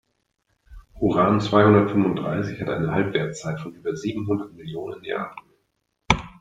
Uran-zweihundertfünfunddreißig hat eine Halbwertszeit von über siebenhundert Millionen Jahren.